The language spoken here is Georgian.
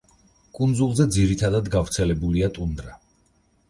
კუნძულზე ძირითადად გავრცელებულია ტუნდრა.